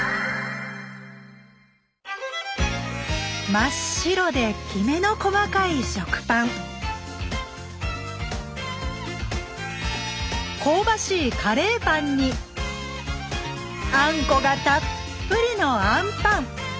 真っ白できめの細かい食パン香ばしいカレーパンにあんこがたっぷりのあんパン。